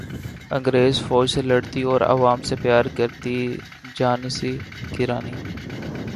انگریز فوج سے لڑتی اور عوام سے پیار کرتی جھانسی کی رانی